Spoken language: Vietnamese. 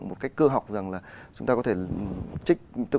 một cách cơ học rằng là chúng ta có thể trích